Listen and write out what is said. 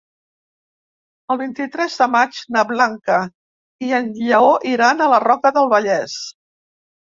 El vint-i-tres de maig na Blanca i en Lleó iran a la Roca del Vallès.